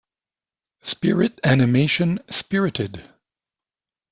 Spirit animation Spirited.